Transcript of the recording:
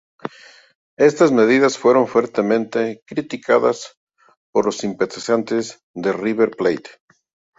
Estas medidas fueron fuertemente criticadas por los simpatizantes de River Plate.